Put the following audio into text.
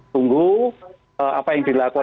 tunggu apa yang dilakukan